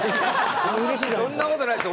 そんなことないですよ。